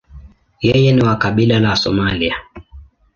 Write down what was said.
Yeye ni wa kabila la Somalia.